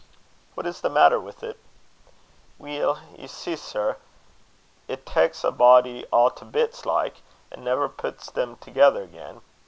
"What is the matter with it?" "Weel, ye see, sir, it taks a body a' to bits like, and never pits them together again.